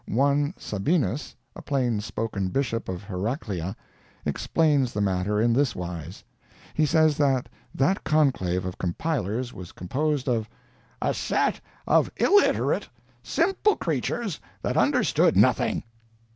One Sabinus, a plain spoken Bishop of Heraclea, explains the matter in this wise: He says that that conclave of compilers was composed of "a set of illiterate, simple creatures, that understood nothing!"